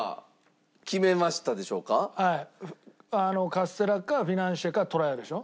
カステラかフィナンシェかとらやでしょ。